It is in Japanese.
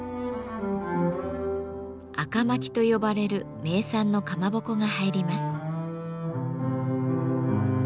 赤巻きと呼ばれる名産のかまぼこが入ります。